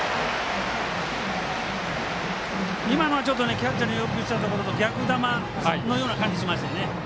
今のはキャッチャーの要求したところとは逆球のような感じしましたよね。